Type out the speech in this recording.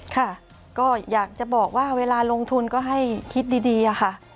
ค่ะก็อยากจะบอกว่าเวลาลงทุนก็ให้คิดดีอะค่ะ